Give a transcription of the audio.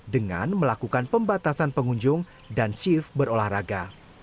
dengan melakukan pembatasan pengunjung dan shift berolahraga